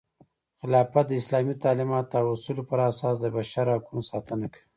خلافت د اسلامي تعلیماتو او اصولو پراساس د بشر حقونو ساتنه کوي.